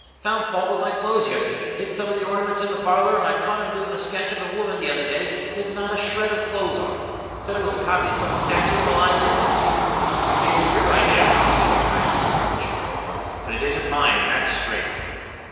Found fault with my clothes yesterday, hid some of the ornaments in the parlor, and I caught him doing a sketch of a woman the other day with not a shred of clothes on. Said it was a copy of some statue in the library. It may be your idea of how a boy nine years old should go on, but it isn't mine, and that's straight."